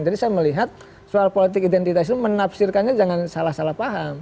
jadi saya melihat soal politik identitas itu menafsirkannya jangan salah salah paham